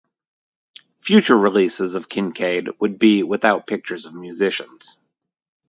Future releases of Kincade would be without pictures of musicians.